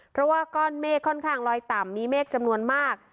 เพราะว่าก้อนเมฆค่อนข้างลอยต่ำมีเมฆจำนวนมาก